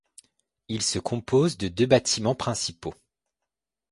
Il se compose de deux bâtiments principaux.